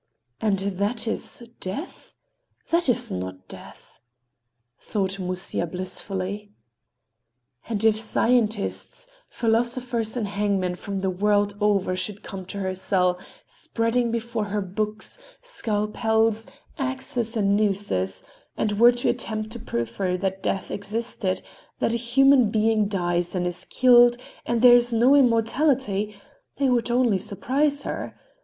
"And that is—Death? That is not Death!" thought Musya blissfully. And if scientists, philosophers and hangmen from the world over should come to her cell, spreading before her books, scalpels, axes and nooses, and were to attempt to prove to her that Death existed, that a human being dies and is killed, that there is no immortality, they would only surprise her.